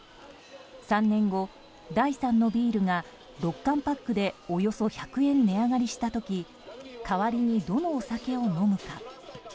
３年後、第三のビールが６缶パックでおよそ１００円値上がりした時代わりに、どのお酒を飲むか。